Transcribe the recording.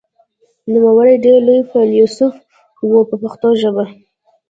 نوموړی ډېر لوی فیلسوف و په پښتو ژبه.